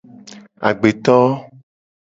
Agbeto.